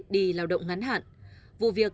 đi lao động ngắn hạn vụ việc